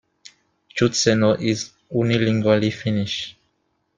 Joutseno is unilingually Finnish.